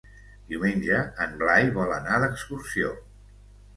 Diumenge en Blai vol anar d'excursió.